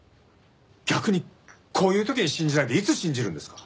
逆にこういう時に信じないでいつ信じるんですか。